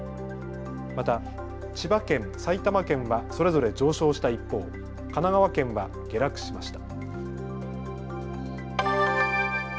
また千葉県、埼玉県はそれぞれ上昇した一方、神奈川県は下落しました。